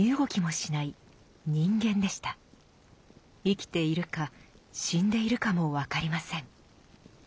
生きているか死んでいるかも分かりません。